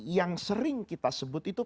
yang sering kita sebut itu